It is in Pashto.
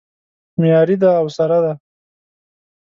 معیاري دی او سره دی